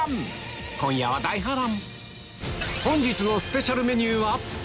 今夜は大波乱！